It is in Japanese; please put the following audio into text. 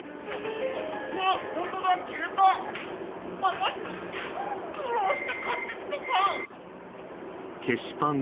私の苦労して買ってきたパン。